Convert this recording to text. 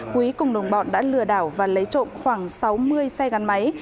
quý cùng đồng bọn đã lừa đảo và lấy trộm khoảng sáu mươi xe gắn máy